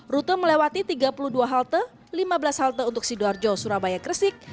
rute melewati tiga puluh dua halte lima belas halte untuk sidoarjo surabaya gresik